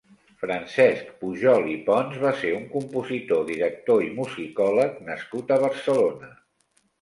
Francesc Pujol i Pons va ser un compositor, director i musicòleg nascut a Barcelona.